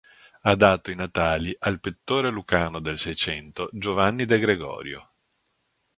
Ha dato i natali al pittore lucano del seicento Giovanni De Gregorio.